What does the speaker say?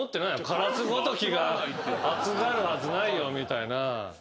カラスごときが熱がるはずないよみたいな。